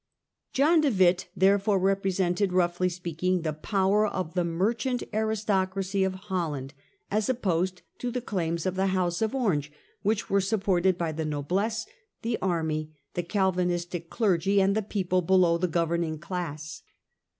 John de Witt therefore represented, roughly speak ing, the power of the merchant aristocracy of Holland, as opposed to the claims of the House of Orange, which were supported by the noblesse , the army, the Calvinistic clergy, and the people below the governing class.